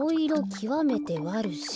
きわめてわるしと。